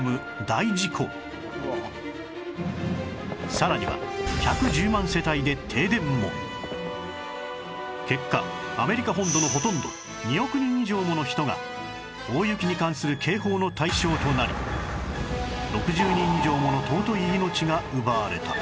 さらには結果アメリカ本土のほとんど２億人以上もの人が大雪に関する警報の対象となり６０人以上もの尊い命が奪われた